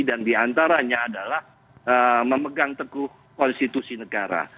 dan diantaranya adalah memegang teguh konstitusi negara